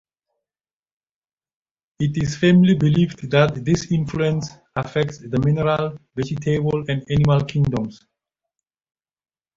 It is firmly believed that this influence affects the mineral, vegetable, and animal kingdoms.